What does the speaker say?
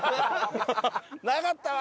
「なかったわ！」